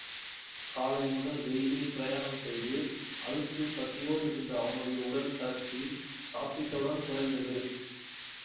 காலை முதல் வெயிலில் பிராயணம் செய்து, அலுத்துப் பசியோடிருந்த அவனுடைய உடல் தளர்ச்சி, சாப்பிட்டவுடன் குறைந்தது.